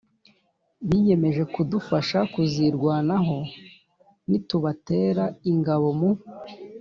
biyemeje kudufasha kuzirwanaho. Nitubatere ingabo mu